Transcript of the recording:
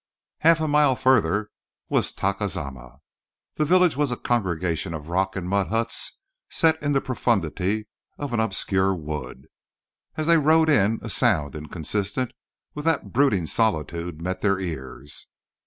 Half a mile further was Tacuzama. The village was a congregation of rock and mud huts set in the profundity of an obscure wood. As they rode in a sound inconsistent with that brooding solitude met their ears.